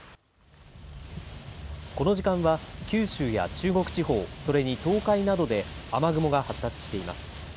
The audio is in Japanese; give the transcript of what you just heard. この時間は、九州や中国地方、それに東海などで雨雲が発達しています。